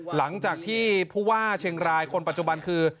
หลังจากที่ผู้ว่าเชียงรายคนปัจจุบันคือ